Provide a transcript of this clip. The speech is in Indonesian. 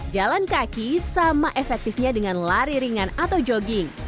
jalan kaki sama efektifnya dengan lari ringan atau jogging